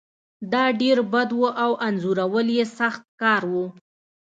دا ډیر بد و او انځورول یې سخت کار و